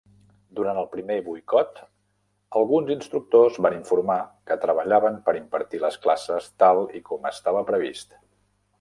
Durant el primer boicot, alguns instructors van informar que treballaven per impartir les classes tal i com estava previst.